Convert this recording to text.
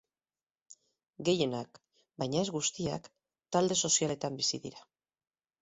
Gehienak, baina ez guztiak, talde sozialetan bizi dira.